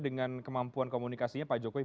dengan kemampuan komunikasinya pak jokowi